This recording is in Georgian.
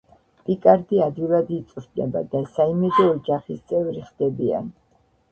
პიკარდი ადვილად იწვრთნება და საიმედო ოჯახის წევრი ხდებიან.